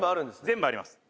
「全部あります」